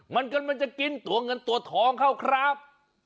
มันกำลังจะกินตัวเงินตัวทองเข้าครับ